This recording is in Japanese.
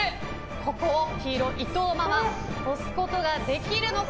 ここを黄色、伊藤ママ超すことができるのか。